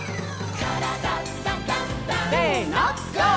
「からだダンダンダン」せのＧＯ！